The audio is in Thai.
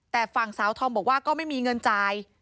แต่ฝั่งสาวธอมบอกว่าก็ไม่มีเงินจ่าย